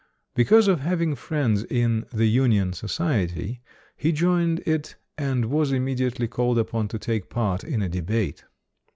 Be cause of having friends in "the Union Society", he joined it, and was immediately called upon to take part in a debate.